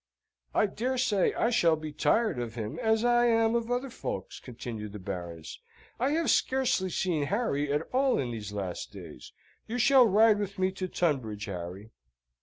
"I dare say I shall be tired of him, as I am of other folks," continued the Baroness. "I have scarcely seen Harry at all in these last days. You shall ride with me to Tunbridge, Harry!"